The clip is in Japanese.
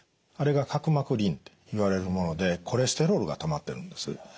あれが角膜輪といわれるものでコレステロールがたまってるんです。